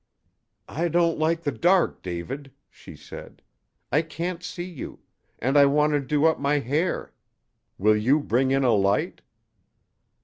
"I don't like the dark, David," she said. "I can't see you. And I want to do up my hair. Will you bring in a light?"